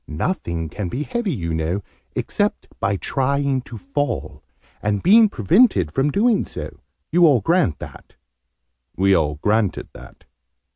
Nothing can be heavy, you know, except by trying to fall, and being prevented from doing so. You all grant that?" We all granted that.